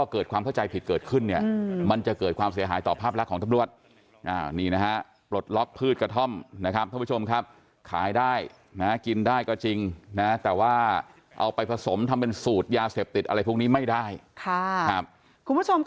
คุณผู้ชมครับขายได้นะกินได้ก็จริงนะแต่ว่าเอาไปผสมทำเป็นสูตรยาเสพติดอะไรพวกนี้ไม่ได้ค่ะครับคุณผู้ชม